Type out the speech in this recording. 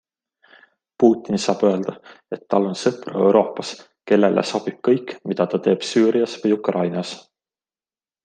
Putin saab öelda, et tal on sõpru Euroopas, kellele sobib kõik, mida ta teeb Süürias või Ukrainas.